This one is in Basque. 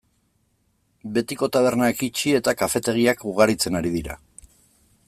Betiko tabernak itxi eta kafetegiak ugaritzen ari dira.